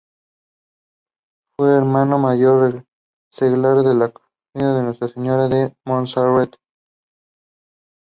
Fue Hermano Mayor seglar de la Cofradía de Nuestra Señora de Monserrate.